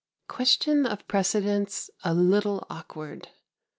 Question of precedence a little awkward.